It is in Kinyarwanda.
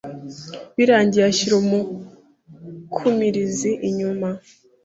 birangiye ashyira umukumirizi inyuma